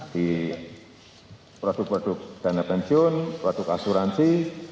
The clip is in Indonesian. di produk produk dana pensiun produk asuransi